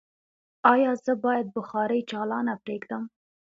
ایا زه باید بخاری چالانه پریږدم؟